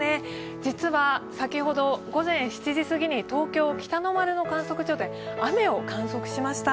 実は先ほど午前７時すぎに東京・北の丸の観測所で雨を観測しました。